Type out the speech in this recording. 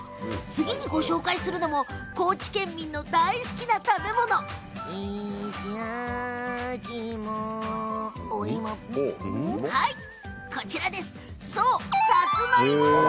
次に、ご紹介するのも高知県民の大好きな食べ物いしやきいも、おいもそう、さつまいも。